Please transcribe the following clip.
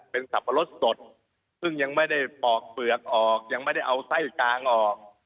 เป็นสับปะรดสดซึ่งยังไม่ได้ปอกเปลือกออกยังไม่ได้เอาไส้กลางออก